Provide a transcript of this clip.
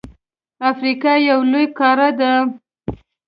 افریقا یو لوی قاره ده.